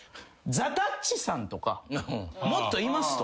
ザ・たっちさんとかもっといますと。